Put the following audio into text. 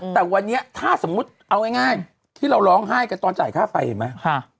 แต่วันนี้ถ้าสมมุติเอาง่ายที่เราร้องไห้กันตอนจ่ายค่าไฟเห็นไหม